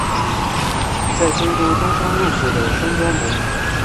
在京都东山鹿谷的山庄谋议。